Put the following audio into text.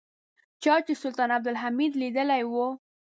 چا چې سلطان عبدالحمید لیدلی و.